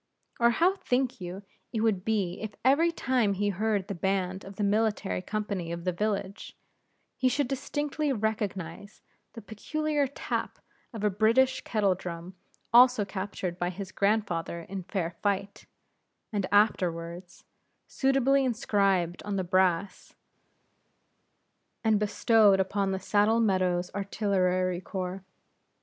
Or how think you it would be if every time he heard the band of the military company of the village, he should distinctly recognize the peculiar tap of a British kettle drum also captured by his grandfather in fair fight, and afterwards suitably inscribed on the brass and bestowed upon the Saddle Meadows Artillery Corps?